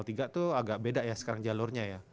tiga tuh agak beda ya sekarang jalurnya ya